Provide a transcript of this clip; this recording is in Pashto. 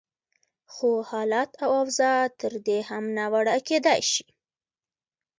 خو حالت او اوضاع تر دې هم ناوړه کېدای شي.